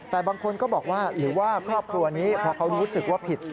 แต่บางคนก็บอกว่าหรือว่าครอบครัวนี้พอเขารู้สึกว่าผิด